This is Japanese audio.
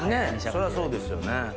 そりゃそうですよね。